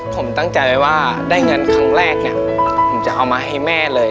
ผมตั้งใจไว้ว่าได้เงินครั้งแรกเนี่ยผมจะเอามาให้แม่เลย